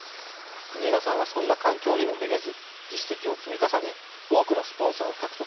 国枝さんはそんな環境にもめげず実績を積み重ね多くのスポンサーを獲得。